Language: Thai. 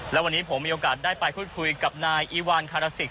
และวันนี้ผมมีโอกาสได้ไปพูดคุยกับนายอีวานคาราซิก